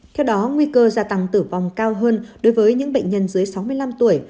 theo đó nguy cơ gia tăng tử vong cao hơn đối với những bệnh nhân dưới sáu mươi năm tuổi